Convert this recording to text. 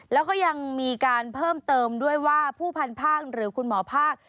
แล้วก็ยังมีการเพิ่มเติมด้วยว่าผู้พันภาคหรือคุณหมอภาค